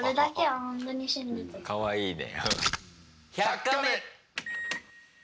かわいいね。